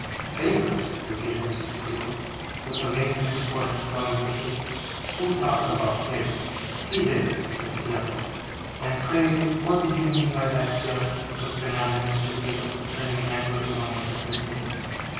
'Favourites?' repeated Mr. Creakle, with the veins in his forehead swelling quickly. 'Who talked about favourites?' 'He did,' said Steerforth. 'And pray, what did you mean by that, sir?' demanded Mr. Creakle, turning angrily on his assistant.